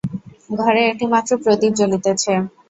ঘরে একটিমাত্র প্রদীপ জ্বলিতেছে।